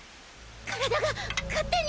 体が勝手に。